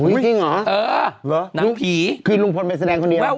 อุ๊ยจริงเหรอหรือหนังผีคือลุงพลไม่แสดงคนเดียว